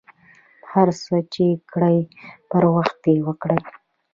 هر څه ،چې کرئ پر وخت یې وکرئ.